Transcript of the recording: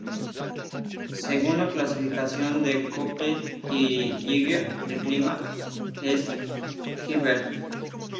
Según la clasificación de Köppen y Geiger, el clima es Cfb.